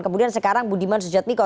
kemudian sekarang budiman sujatmiko